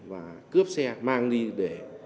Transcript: và cướp xe mang đi để